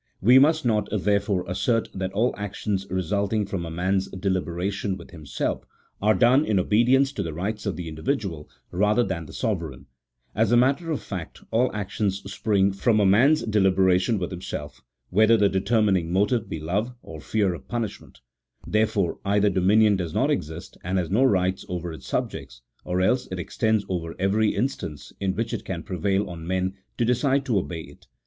We must not, therefore, assert that all actions resulting from a man's deliberation with himself are done in obedience to the rights of the in dividual rather than the sovereign : as a matter of fact, all actions spring from a man's deliberation with himself, whether the determining motive be love or fear of punish ment ; therefore, either dominion does not exist, and has no rights over its subjects, or else it extends over every in stance in which it can prevail on men to decide to obey it.